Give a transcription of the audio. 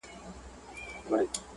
یوه ته ډېر خلک په تمه